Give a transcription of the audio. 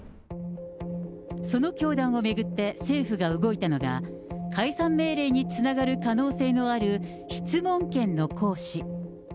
その教団を巡って政府が動いたのが、解散命令につながる可能性のある質問権の行使。